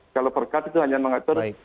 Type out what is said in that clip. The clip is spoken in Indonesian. kalau perkat itu hanya mengatur